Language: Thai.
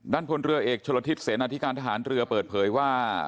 พลเรือเอกชนลทิศเสนาธิการทหารเรือเปิดเผยว่า